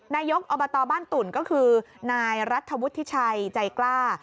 นายกอบตบ้านตุ่นก็คือนายรัฐวุฒิชัยใจกล้า